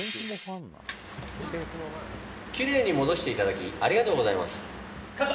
きれいに戻していただきありがとうございます。